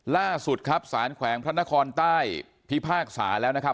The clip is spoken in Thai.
ล่าสุดครับสารแขวงพระนครใต้พิพากษาแล้วนะครับ